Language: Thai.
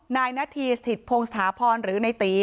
นายนาธีสถิตพงศาพรหรือในตี